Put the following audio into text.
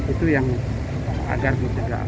itu yang agar ditegak